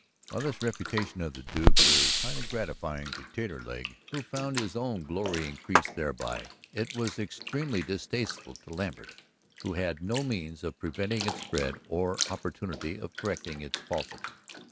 While this reputation of the Duke was highly gratifying to Taterleg, who found his own glory increased thereby, it was extremely distasteful to Lambert, who had no means of preventing its spread or opportunity of correcting its falsity.